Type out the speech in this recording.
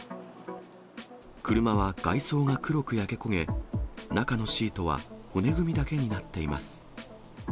車は外装が黒く焼け焦げ、中のシートは骨組みだけになっています。